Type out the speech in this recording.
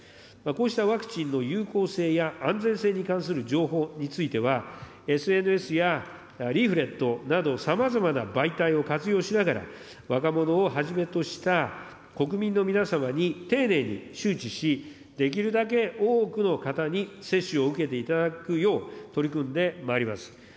こうしたワクチンの有効性や安全性に関する情報については、ＳＮＳやリーフレットなど、さまざまな媒体を活用しながら、若者をはじめとした国民の皆様に丁寧に周知し、できるだけ多くの方に接種を受けていただくよう取り組んでまいります。